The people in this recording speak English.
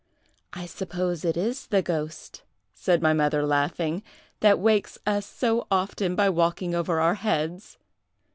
'I suppose it is the ghost,' said my mother, laughing, 'that wakes us so often by walking over our heads.